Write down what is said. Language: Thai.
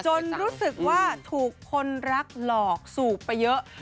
รู้สึกว่าถูกคนรักหลอกสูบไปเยอะ